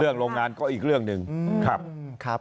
โรงงานก็อีกเรื่องหนึ่งครับ